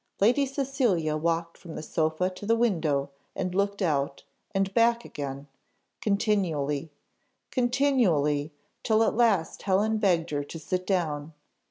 Lady Cecilia walked from the sofa to the window, and looked out, and back again continually, continually, till at last Helen begged her to sit down.